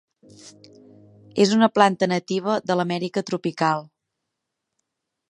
És una planta nativa de l'Amèrica tropical.